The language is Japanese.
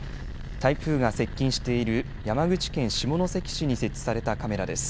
台風が接近している山口県下関市に設置されたカメラです。